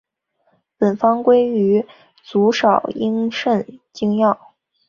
本方归于足少阴肾经药。